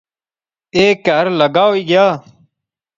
اہ کہھر لگا ہوئی گیا